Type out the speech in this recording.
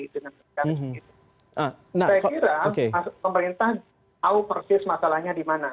saya kira pemerintah tahu persis masalahnya di mana